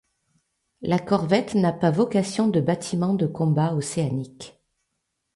La corvette n'a pas vocation de bâtiment de combat océanique.